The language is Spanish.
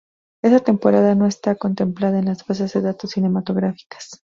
Esta temporada no está contemplada en las bases de datos cinematográficas.